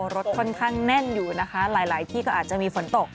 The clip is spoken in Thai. รถค่อนข้างแน่นอยู่นะคะหลายที่ก็อาจจะมีฝนตก